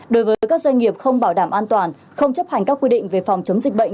đối với các doanh nghiệp không bảo đảm an toàn không chấp hành các quy định về phòng chống dịch bệnh